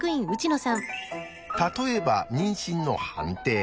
例えば妊娠の判定。